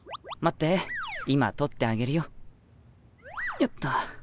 よっと。